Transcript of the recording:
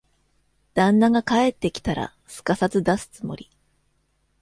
旦那が帰ってきたら、すかさず出すつもり。